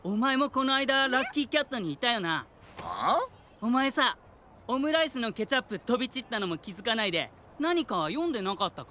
おまえさオムライスのケチャップとびちったのもきづかないでなにかよんでなかったか？